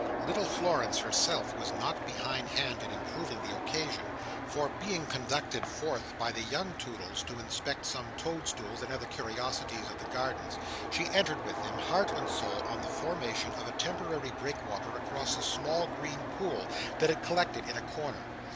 Little Florence herself was not behind hand in improving the occasion; for, being conducted forth by the young Toodles to inspect some toad stools and other curiosities of the Gardens, she entered with them, heart and soul, on the formation of a temporary breakwater across a small green pool that had collected in a corner.